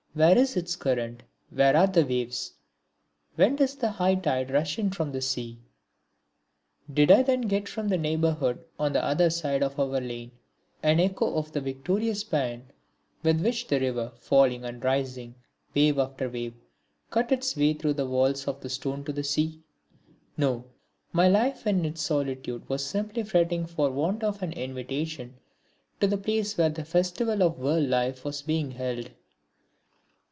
Where is its current, where are the waves, when does the high tide rush in from the sea? Did I then get from the neighbourhood on the other side of our lane an echo of the victorious pæan with which the river, falling and rising, wave after wave, cuts its way through walls of stone to the sea? No! My life in its solitude was simply fretting for want of an invitation to the place where the festival of world life was being held.